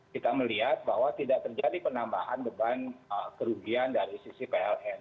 kita melihat bahwa tidak terjadi penambahan beban kerugian dari sisi pln